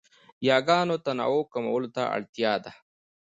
یاګانو تنوع کمولو ته اړتیا ده.